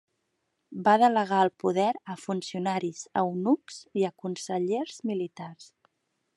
Va delegar el poder a funcionaris eunucs i a consellers militars.